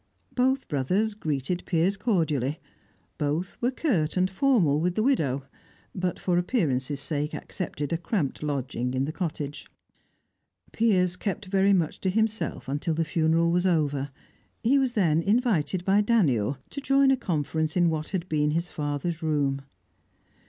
Both brothers greeted Piers cordially; both were curt and formal with the widow, but, for appearances' sake, accepted a cramped lodging in the cottage. Piers kept very much to himself until the funeral was over; he was then invited by Daniel to join a conference in what had been his father's room.